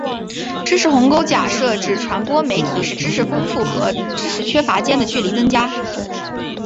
知识鸿沟假设指传播媒体使知识丰富和知识缺乏间的距离增加。